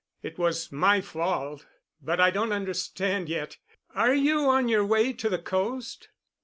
It was my fault. But I don't understand yet. Are you on your way to the coast?"